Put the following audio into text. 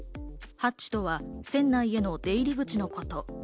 ハッチとは船内への出入り口のこと。